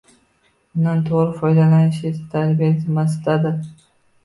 Undan to‘g‘ri foydalanish esa tarbiya zimmasidadir